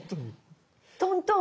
トントン。